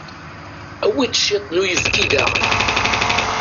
Awi-d ciṭ n uyefki daɣen.